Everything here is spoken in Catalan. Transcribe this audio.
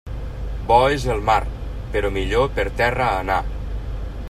Bo és el mar, però millor per terra anar.